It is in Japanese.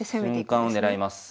瞬間を狙います。